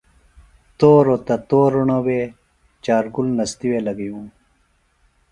توروۡ تہ تورݨہ وے چار گُل نستیے لگئیوم۔